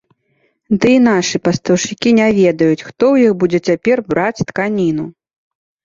Ды і нашы пастаўшчыкі не ведаюць, хто ў іх будзе цяпер браць тканіну.